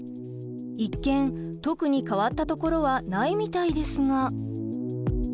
一見特に変わったところはないみたいですが。